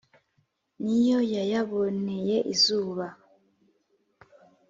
ni yo yayaboneye izuba